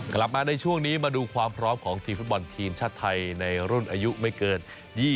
กลับมาในช่วงนี้มาดูความพร้อมของทีมฟุตบอลทีมชาติไทยในรุ่นอายุไม่เกิน๒๐